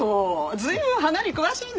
随分花に詳しいね。